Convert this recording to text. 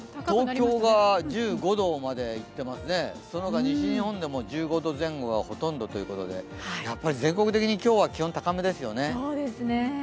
東京が１５度までいっていますね、西日本でも１５度前後ということでやっぱり全国的に今日は気温が高めですよね。